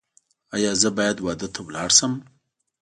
ایا زه باید واده ته لاړ شم؟